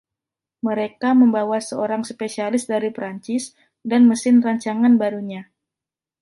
Mereka membawa seorang spesialis dari Perancis dan mesin rancangan barunya.